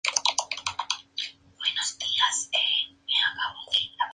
Escuela de la fiesta.